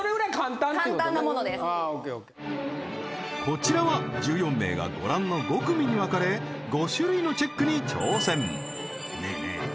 こちらは１４名がご覧の５組に分かれ５種類のチェックに挑戦ねえねえ